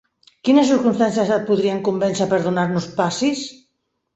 Quines circumstàncies et podrien convèncer per donar-nos passis?